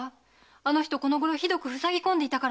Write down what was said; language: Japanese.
あの人このごろひどくふさぎ込んでいたから。